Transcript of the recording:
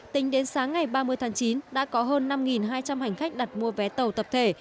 tính đến sáng ngày ba mươi tháng chín đã có hơn năm hai trăm linh hành khách đặt mua vé tàu tập thể